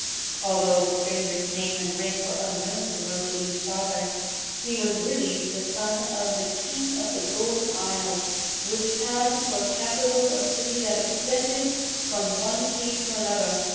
Although the stranger's name and rank were unknown to Rosalie's father, he was really the son of the King of the Golden Isle, which had for capital a city that extended from one sea to another.